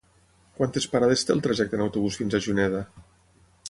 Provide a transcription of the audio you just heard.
Quantes parades té el trajecte en autobús fins a Juneda?